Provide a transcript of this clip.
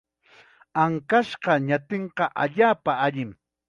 Ankashqa ñatinqa allaapa allim.